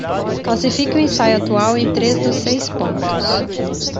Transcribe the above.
Classifique o ensaio atual em três dos seis pontos.